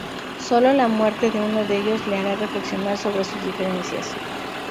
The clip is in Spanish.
Sólo la muerte de uno ellos les hará reflexionar sobre sus diferencias.